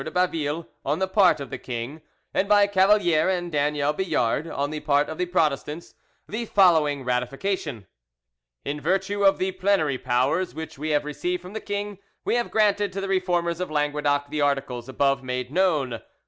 de Baville on the part of the king, and by Cavalier and Daniel Billard on the part of the Protestants, the following ratification: "In virtue of the plenary powers which we have received from the king, we have granted to the Reformers of Languedoc the articles above made known.